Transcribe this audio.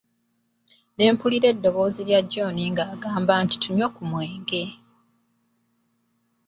Ne mpulira eddoboozi lya John ng'agamba nti tunywe ku mwenge.